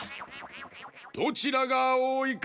どちらがおおいか